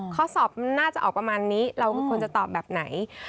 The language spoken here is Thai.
ข้อสอบมันน่าจะออกประมาณนี้เราควรจะตอบแบบไหน